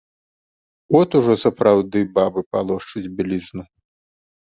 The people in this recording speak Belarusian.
От ужо і сапраўды бабы палошчуць бялізну.